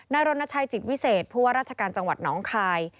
รณชัยจิตวิเศษผู้ว่าราชการจังหวัดน้องคาย